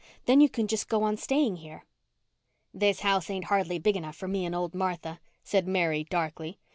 "Then you can just go on staying here." "This house ain't hardly big enough for me and old Martha," said Mary darkly.